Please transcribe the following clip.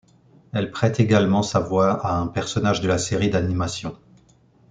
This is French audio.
Elle prête également sa voix à un personnage de la série d'animation '.